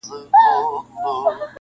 • پلار او مور یې په قاضي باندي نازېږي,